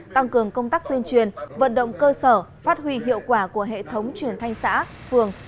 tăng cường công tác tuyên truyền vận động cơ sở phát huy hiệu quả của hệ thống truyền thanh xã phường